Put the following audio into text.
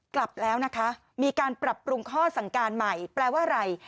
กลับแล้วนะคะมีการปรับปรุงข้อสั่งการใหม่แปลว่าอะไร